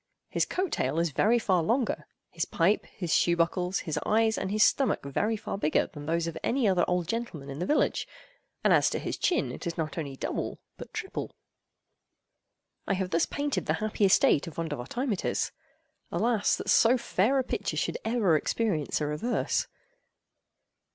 His coat tail is very far longer—his pipe, his shoe buckles, his eyes, and his stomach, very far bigger—than those of any other old gentleman in the village; and as to his chin, it is not only double, but triple. I have thus painted the happy estate of Vondervotteimittiss: alas, that so fair a picture should ever experience a reverse!